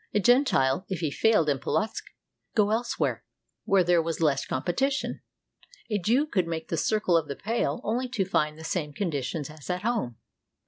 A Gentile, if he failed in Polotzk, could go elsewhere, where there was less competition. A Jew could make the circle of the Pale only to find the same conditions as at home.